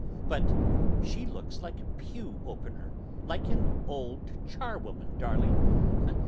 "But she looks like a pew opener, like an old charwoman, darling!